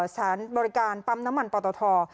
สารบริการปั๊มน้ำมันปอตท